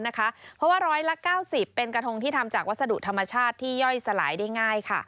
เพราะว่าร้อยละ๙๐เป็นกระทงที่ทำจากวัสดุธรรมชาติที่ย่อยสลายได้ง่าย